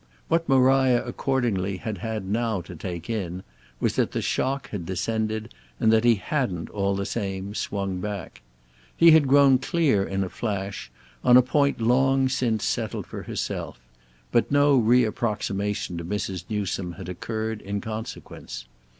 What Maria accordingly had had now to take in was that the shock had descended and that he hadn't, all the same, swung back. He had grown clear, in a flash, on a point long since settled for herself; but no reapproximation to Mrs. Newsome had occurred in consequence.